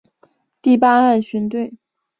第八岸巡队